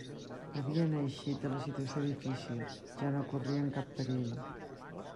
Havien eixit de la situació difícil; ja no corrien cap perill.